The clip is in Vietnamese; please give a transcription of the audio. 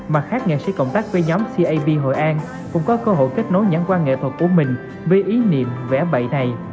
mặt khác nghệ sĩ cộng tác với nhóm cap hội an cũng có cơ hội kết nối nhãn quan nghệ thuật của mình với ý niệm vẽ bậy này